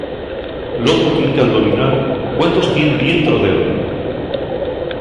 L'otru tien qu'aldovinar cuántos tien dientro d'él.